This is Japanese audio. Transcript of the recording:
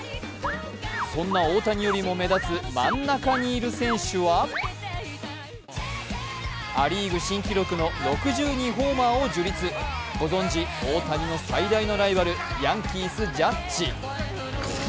そんな大谷よりも目立つ真ん中にいる選手はア・リーグ新記録の６２ホーマーを樹立、ご存じ、大谷の最大のライバルヤンキース、ジャッジ。